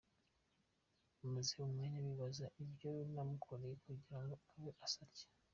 Namaze umwanya nibaza ibyo namukoreye kugira ngo abe asa atyo.